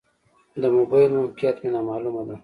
د موبایل موقعیت مې نا معلومه ده.